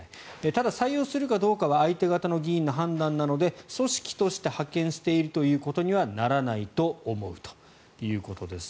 ただ、採用するかどうかは相手方の議員の判断なので組織として派遣しているということにはならないと思うということです。